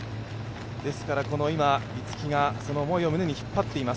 ですから逸木がその思いを胸にひっぱっています。